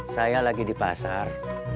saya lagi di pasar